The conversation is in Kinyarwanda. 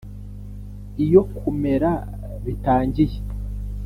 iyo kumera bitangiye?